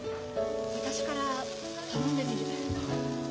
私から頼んでみる。